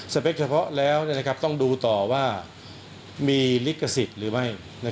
เปคเฉพาะแล้วต้องดูต่อว่ามีลิขสิทธิ์หรือไม่